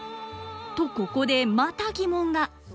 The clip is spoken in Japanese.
とここでまた疑問が。